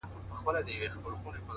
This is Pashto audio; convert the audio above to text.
زما د فكر د ائينې شاعره ;